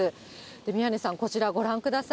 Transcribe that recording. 宮根さん、こちらご覧ください。